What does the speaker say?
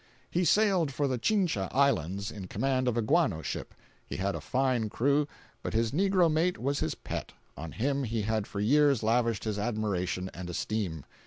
He sailed for the Chincha Islands in command of a guano ship. He had a fine crew, but his negro mate was his pet—on him he had for years lavished his admiration and esteem.